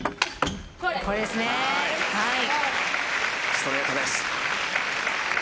ストレートです。